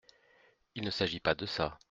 Il ne s’agit pas de ça…